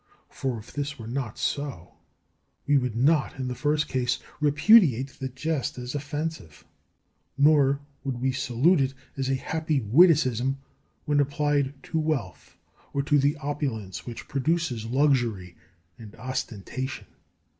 For if this were not so, we would not in the first case repudiate the jest as offensive, nor would we salute it as a happy witticism when applied to wealth or to the opulence which produces luxury and ostentation.